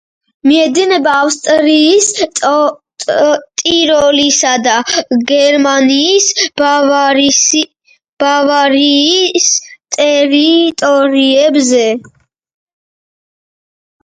მიედინება ავსტრიის ტიროლისა და გერმანიის ბავარიის ტერიტორიებზე.